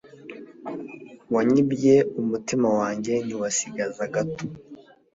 Wanyibye umutima wanjye niwasigaza gato